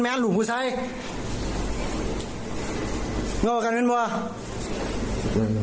พ้องนี่กูจ่ายให้มันเซอร์เดือน